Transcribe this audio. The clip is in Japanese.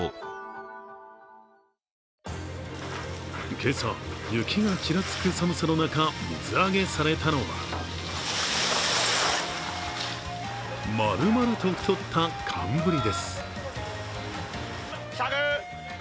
今朝、雪がちらつく寒さの中水揚げされたのは丸々と太った寒ブリです。